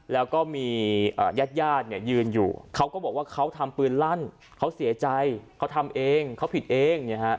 แล้วก็มีญาติญาติยืนอยู่เขาก็บอกว่าเขาทำปืนลั่นเขาเสียใจเขาทำเองเขาผิดเอง